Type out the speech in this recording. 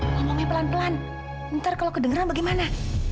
minumnya pelan pelan ntar kalau kedengeran bagaimana